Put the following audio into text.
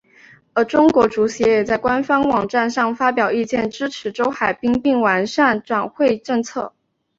而中国足协也在官方网站上发表意见支持周海滨并将完善转会政策。